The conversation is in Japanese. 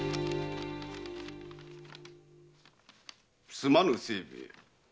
「すまぬ清兵衛。